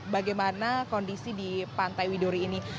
bagaimana kondisi di pantai widuri ini